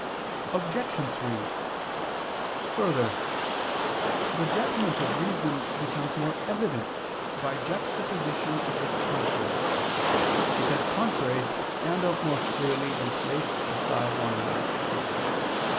Obj. 3: Further, the judgment of reason becomes more evident by juxtaposition of the contrary: because contraries stand out more clearly when placed beside one another.